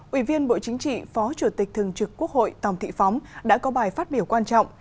ủy viên bộ chính trị phó chủ tịch thường trực quốc hội tòng thị phóng đã có bài phát biểu quan trọng